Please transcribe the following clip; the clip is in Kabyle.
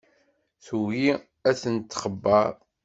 Tugi ad ten-txebber.